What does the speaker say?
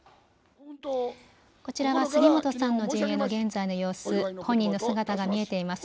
こちらは杉本さんの陣営の現在の様子、本人の姿が見えています。